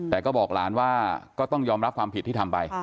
แต่ก็บอกหลานว่าก็ต้องยอมรับความผิดที่ทำไป